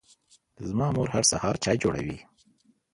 زما مور هر سهار چای جوړوي.